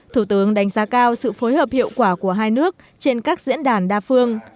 thủ tướng đánh giá cao sự phối hợp hiệu quả của hai nước trên các diễn đàn đa phương